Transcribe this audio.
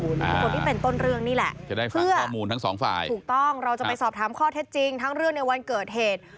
คนที่เป็นต้นเรื่องนี่แหละจะได้ฟังข้อมูลทั้งสองฝ่ายถูกต้องเราจะไปสอบถามข้อเท็จจริงทั้งเรื่องในวันเกิดเหตุ